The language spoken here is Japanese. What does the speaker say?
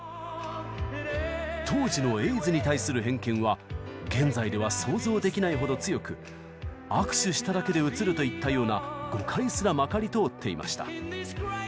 当時のエイズに対する偏見は現在では想像できないほど強く握手しただけでうつるといったような誤解すらまかり通っていました。